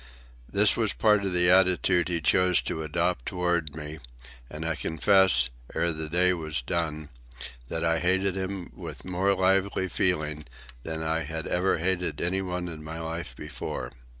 This was part of the attitude he chose to adopt toward me; and I confess, ere the day was done, that I hated him with more lively feelings than I had ever hated any one in my life before.